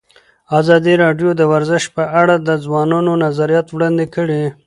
ازادي راډیو د ورزش په اړه د ځوانانو نظریات وړاندې کړي.